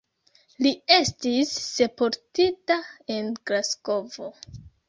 Li estis sepultita en Glasgovo.